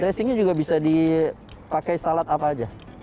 ya dressingnya juga bisa dipakai salad apa aja